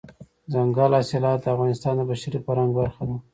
دځنګل حاصلات د افغانستان د بشري فرهنګ برخه ده.